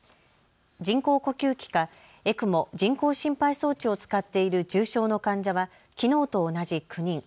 人工呼吸器かＥＣＭＯ・人工心肺装置を使っている重症の患者はきのうと同じ９人。